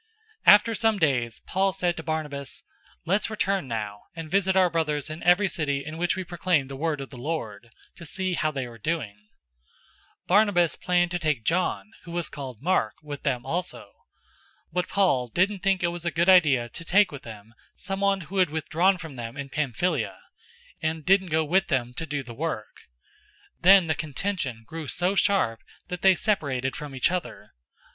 015:036 After some days Paul said to Barnabas, "Let's return now and visit our brothers in every city in which we proclaimed the word of the Lord, to see how they are doing." 015:037 Barnabas planned to take John, who was called Mark, with them also. 015:038 But Paul didn't think that it was a good idea to take with them someone who had withdrawn from them in Pamphylia, and didn't go with them to do the work. 015:039 Then the contention grew so sharp that they separated from each other.